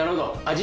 味